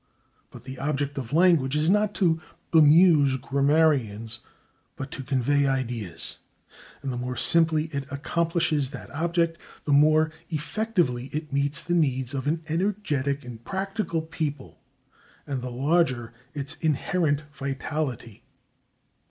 But the object of language is not to bemuse grammarians, but to convey ideas, and the more simply it accomplishes that object the more effectively it meets the needs of an energetic and practical people and the larger its inherent vitality.